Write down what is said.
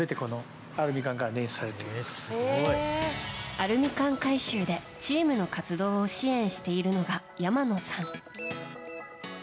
アルミ缶回収でチームの活動を支援しているのが山野さん。